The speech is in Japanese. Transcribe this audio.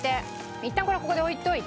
いったんこれはここで置いておいて。